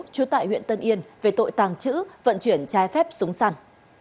trú tại huyện tân yên về tội tàng trữ vận chuyển trái phép súng săn